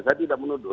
saya tidak menuduh